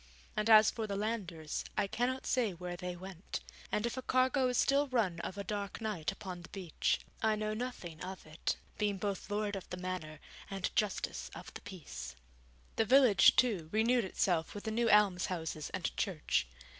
And as for the landers, I cannot say where they went; and if a cargo is still run of a dark night upon the beach, I know nothing of it, being both Lord of the Manor and Justice of the Peace. The village, too, renewed itself with the new almshouses and church.